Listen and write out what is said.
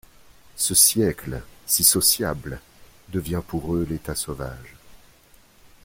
Ce siècle, si sociable, devient pour eux l'état sauvage.